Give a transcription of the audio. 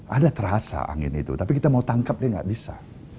ada terasa angin itu tapi kita mau tangkap dia nggak bisa